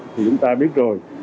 thì chúng ta biết rồi